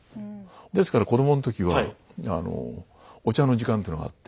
ですから子どもの時はお茶の時間というのがあって。